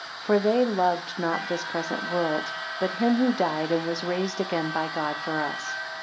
9 For they loved not this present world; but him who died, and was raised again by God for us.